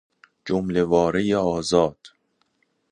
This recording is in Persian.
جمله واره آزاد